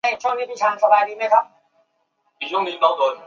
每个连由连长与他的下命令。